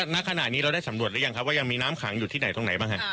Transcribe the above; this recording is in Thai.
ณขณะนี้เราได้สำรวจหรือยังครับว่ายังมีน้ำขังอยู่ที่ไหนตรงไหนบ้างฮะ